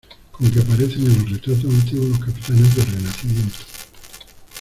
con que aparecen en los retratos antiguos los capitanes del Renacimiento: